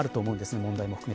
問題も含めて。